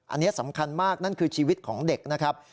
อันนี้สำคัญมากนั่นคือชีวิตของเด็กนะครับ